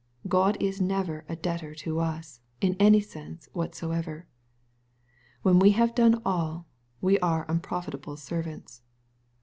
God is never a debtor to us, in any sense whatever. When we have done all, we are unprofitable servants.